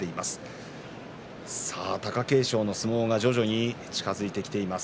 貴景勝の相撲が徐々に近づいてきています。